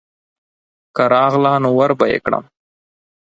که راغله نو وربه یې کړم.